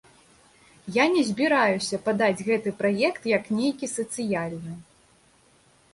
Я не збіраюся падаць гэты праект як нейкі сацыяльны.